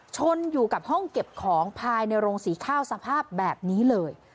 ชนอยู่กับห้องเก็บของภายในโรงสีข้าวสภาพแบบนี้เลย